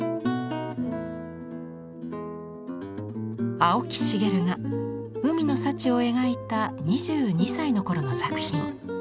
青木繁が「海の幸」を描いた２２歳のころの作品。